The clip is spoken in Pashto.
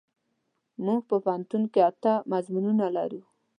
مونږ په پوهنتون کې اته مضمونونه لرو.